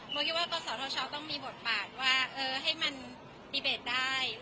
ก็คิดว่าก็สตธต้องมีบทบาทว่าเออให้มันโบไลฟ์ได้